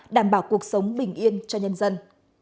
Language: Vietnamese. đảm bảo cuộc sống bình yên cho nhân dân